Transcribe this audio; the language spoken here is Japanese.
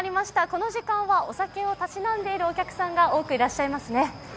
この時間はお酒を立ち飲んでいるお客さんがたくさんいらっしゃいますね。